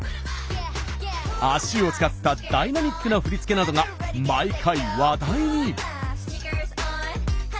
足を使ったダイナミックな振り付けなどが毎回話題に。